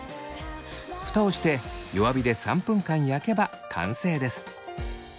ふたをして弱火で３分間焼けば完成です。